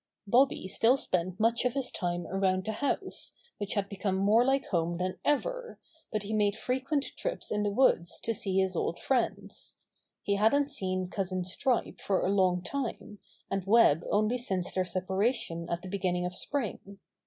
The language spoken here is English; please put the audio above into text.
Bobby still spent much of his time around the house, which had become more like home than ever, but he made frequent trips in the woods to see his old friends. He hadn't seen cousin Stripe for a long time, and Web only once since their separation at the beginning of spring.